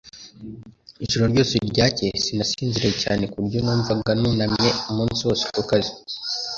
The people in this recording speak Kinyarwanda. Ijoro ryakeye sinasinziriye cyane ku buryo numvaga nunamye umunsi wose ku kazi.